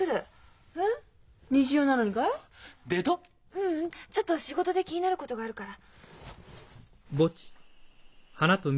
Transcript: ううんちょっと仕事で気になることがあるから。